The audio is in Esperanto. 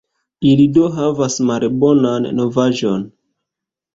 Ili do havas malbonan novaĵon.